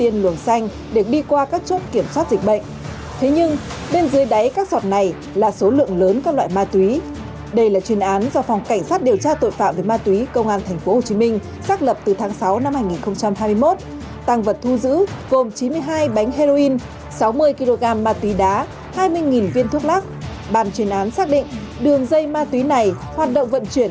nghìn viên thuốc lắc bàn chuyên án xác định đường dây ma túy này hoạt động vận chuyển